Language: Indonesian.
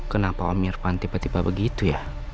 kenapa om irfan tiba tiba begitu ya